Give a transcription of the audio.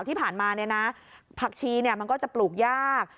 ที่ผ่านมาผักชีมันก็จะปลูกยาก